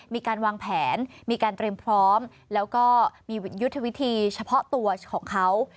มีการวางแผนมีการเตรียมพร้อมแล้วก็มียุทธวิธีเฉพาะตัวของเขา